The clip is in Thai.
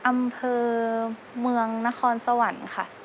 อำเภอเมืองนครสวรรค์ค่ะ